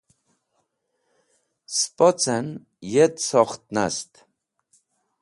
Spocen yet sokht nast.